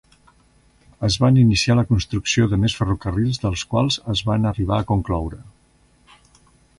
Es van iniciar la construcció de més ferrocarrils dels quals es van arribar a concloure.